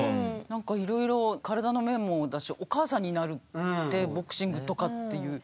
なんかいろいろ体の面もだしお母さんになるってボクシングとかっていう。